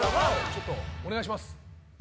ちょっとお願いします